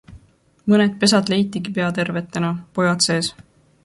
Mõned pesad leitigi pea tervetena, pojad sees.